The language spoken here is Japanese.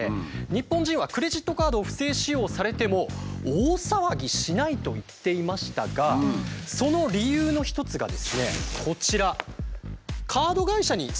「日本人はクレジットカードを不正使用されても大騒ぎしない」と言っていましたがその理由の一つがですねこちら。